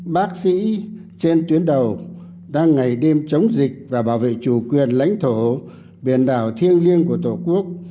bác sĩ trên tuyến đầu đang ngày đêm chống dịch và bảo vệ chủ quyền lãnh thổ biển đảo thiêng liêng của tổ quốc